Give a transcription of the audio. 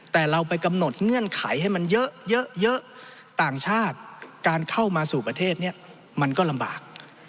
ต่างชาติการเข้ามาสู่ประเทศนี้มันก็ลำบาก